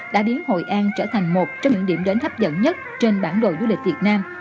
đã biến hội an trở thành một trong những điểm đến hấp dẫn nhất trên bản đồ du lịch việt nam